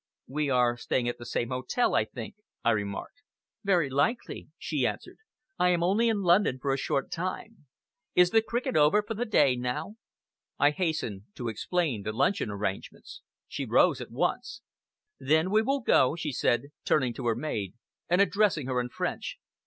"We are staying at the same hotel, I think," I remarked. "Very likely," she answered, "I am only in London for a short time. Is the cricket over for the day now?" I hastened to explain the luncheon arrangements. She rose at once. "Then we will go," she said, turning to her maid and addressing her in French.